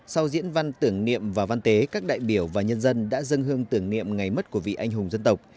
sau diễn văn tưởng niệm và văn tế các đại biểu và nhân dân đã dâng hương tưởng niệm ngày mất của vị anh hùng dân tộc